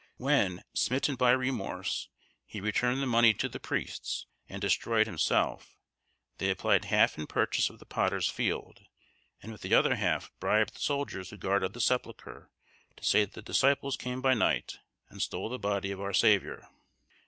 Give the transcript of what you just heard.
When, smitten by remorse, he returned the money to the priests, and destroyed himself: they applied half in purchase of the potter's field, and with the other half bribed the soldiers who guarded the sepulchre to say that the disciples came by night and stole the body of our Saviour.